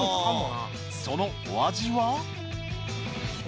そのお味は？